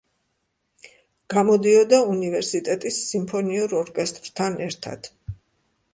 გამოდიოდა უნივერსიტეტის სიმფონიურ ორკესტრთან ერთად.